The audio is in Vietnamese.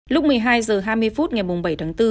lúc một mươi hai h hai mươi phút ngày bảy tháng bốn